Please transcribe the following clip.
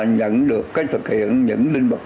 nhận được cái thực hiện những linh vật